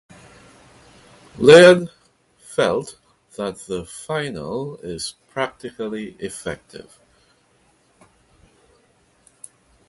Laird felt that the "finale is particularly effective".